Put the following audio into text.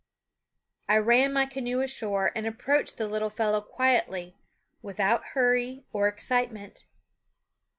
I ran my canoe ashore and approached the little fellow quietly, without hurry or excitement.